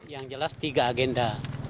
yang jelas tiga agenda